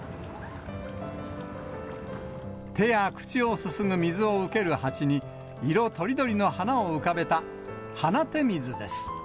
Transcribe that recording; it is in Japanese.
手や口をすすぐ水を受ける鉢に色とりどりの花を浮かべた花手水です。